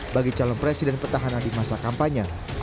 bagi calon presiden petahana di masa kampanye